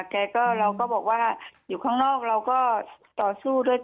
แกก็เราก็บอกว่าอยู่ข้างนอกเราก็ต่อสู้ด้วย